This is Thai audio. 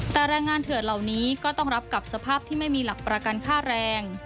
แต่แรงงานเถื่อนเหล่านี้ก็ต้องรับกับสภาพที่ไม่มีหลักประกันค่าแรง